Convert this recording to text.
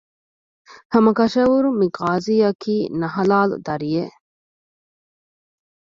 ހަމަކަށަވަރުން މި ޤާޟީއަކީ ނަހަލާލު ދަރިއެއް